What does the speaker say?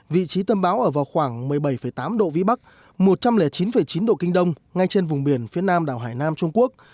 vị trí tâm bão ở vào khoảng một mươi bảy tám độ vĩ bắc một trăm linh chín chín độ kinh đông ngay trên vùng biển phía nam đảo hải nam trung quốc